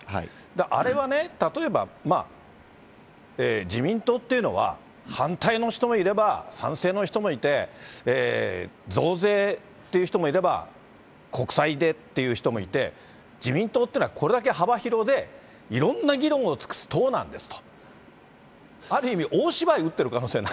あれはね、例えばまあ、自民党っていうのは、反対の人もいれば、賛成の人もいて、増税っていう人もいれば、国債でっていう人もいて、自民党っていうのはこれだけ幅広で、いろんな議論を尽くす党なんですと。